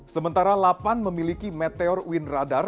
sementara delapan memiliki meteor wind radar